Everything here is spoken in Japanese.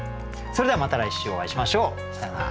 それではまた来週お会いしましょう。さようなら。